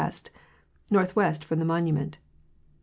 northwest from the monument.